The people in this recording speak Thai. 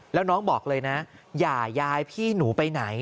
แล้วน้องบอกเลยนะอย่ายายพี่หนูไปไหน